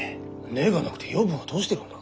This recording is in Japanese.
根がなくて養分はどうしてるんだ？